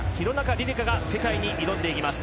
璃梨佳が世界に挑んでいきます。